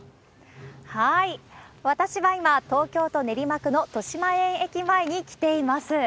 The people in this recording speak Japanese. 私は今、東京都練馬区の豊島園駅前に来ています。